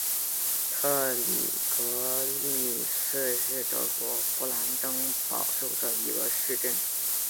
特里格利茨是德国勃兰登堡州的一个市镇。